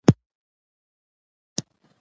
شاه محمود د ایران د پوځ د ماتې لپاره کوښښ وکړ.